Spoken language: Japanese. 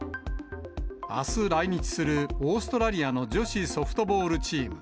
あす来日するオーストラリアの女子ソフトボールチーム。